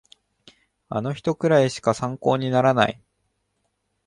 あの人くらいしか参考にならない